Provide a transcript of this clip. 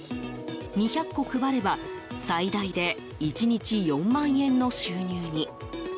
２００個配れば最大で１日４万円の収入に。